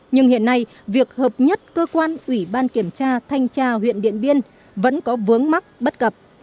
nhưng hiện nay việc hợp nhất cơ quan ủy ban kiểm tra thanh tra huyện điện biên vẫn có vướng mắc bất cập